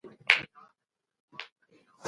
شفافیت د ادارې کیفیت لوړوي.